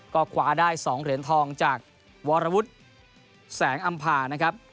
ก็คว้าได้๒เหรียญทองจากวรวุฒิแสงอำภานะครับ